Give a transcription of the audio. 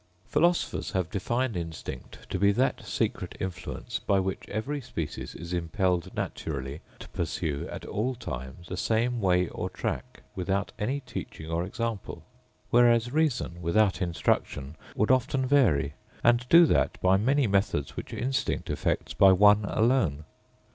Philosophers have defined instinct to be chat secret influence by which every species is impelled naturally to pursue, at all times, The same way or track, without any teaching or example; whereas reason, without instruction, would often vary and do chat by many methods which instinct effects by one alone.